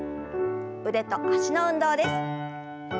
腕と脚の運動です。